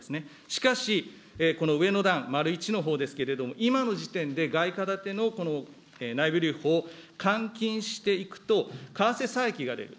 しかし、この上の段、まる１のほうですけれども、今の時点で外貨建てのこの内部留保を換金していくと、為替差益が出る。